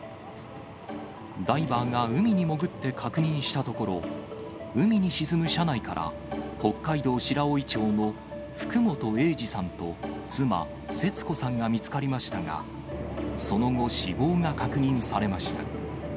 ダイバーが海に潜って確認したところ、海に沈む車内から北海道白老町の福本栄治さんと妻、節子さんが見つかりましたが、その後、死亡が確認されました。